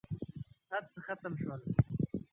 هرڅه ختم شول.